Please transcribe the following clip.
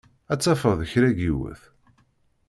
Ad tafeḍ kra n yiwet.